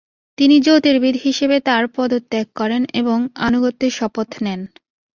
তিনি জ্যোতির্বিদ হিসেবে তার পদ ত্যাগ করেন এবং আনুগত্যের শপথ নেন।